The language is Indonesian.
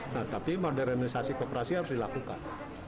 nah tapi modernisasi kooperasi harus dilakukan